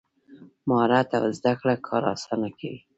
مهارت او زده کړه کار اسانه کوي.